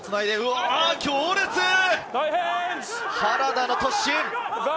原田の突進！